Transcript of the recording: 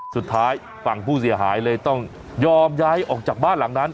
สุดท้ายฝั่งผู้เสียหายเลยต้องยอมย้ายออกจากบ้านหลังนั้น